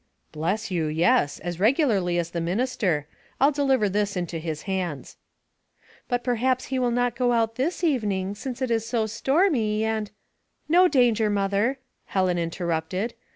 '' Bless you, yes ; as regularly as the minister. I'll deliver this into his hands." " But perhaps he will not go out this evening, since it is so stormy and —" "No danger, mother," Helen interrupted.